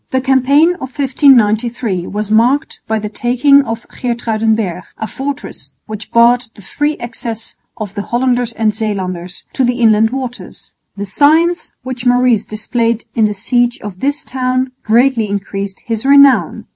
The campaign of 1593 was marked by the taking of Geertruidenberg, a fortress which barred the free access of the Hollanders and Zeelanders to the inland waters. The science which Maurice displayed in the siege of this town greatly increased his renown.